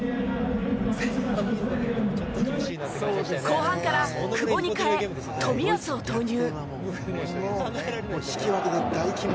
後半から久保に代え冨安を投入。